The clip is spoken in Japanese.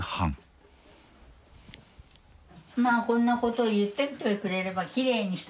まあこんなこと言っといてくれればきれいにしといたのに私を。